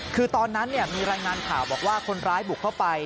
คือตอนนั้นมีรายงานข่าวบอกว่าคนร้ายบุกเข้าไป